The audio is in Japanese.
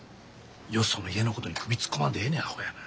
よその家のことに首突っ込まんでええねんアホやな。